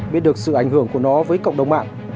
biết được sự ảnh hưởng của nó với cộng đồng mạng